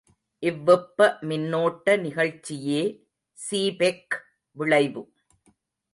இவ்வெப்ப மின்னோட்ட நிகழ்ச்சியே சீபெக் விளைவு.